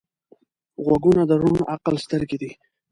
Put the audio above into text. غوږونه د روڼ عقل سترګې دي